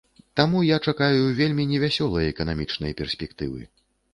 Таму я чакаю вельмі невясёлай эканамічнай перспектывы.